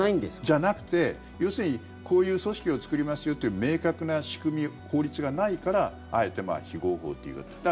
じゃなくて、要するにこういう組織を作りますよという明確な仕組み、法律がないからあえて非合法という言い方。